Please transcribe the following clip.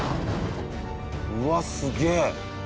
うわっすげえ。